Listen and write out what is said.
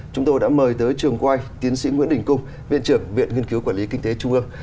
chúng tôi đã mời tới trường quay tiến sĩ nguyễn đình cung viện trưởng viện nghiên cứu quản lý kinh tế trung ương